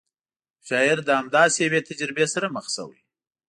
یو شاعر له همداسې یوې تجربې سره مخ شوی.